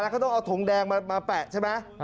เขาต้องเอาถุงแดงมาแปะใช่ไหม